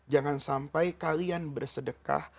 jangan sampai kalian bersedekah